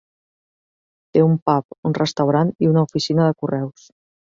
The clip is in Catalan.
Té un pub, un restaurant i una oficina de correus.